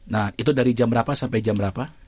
nah itu dari jam berapa sampai jam berapa